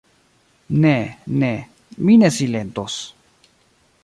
Ne, ne; mi ne silentos.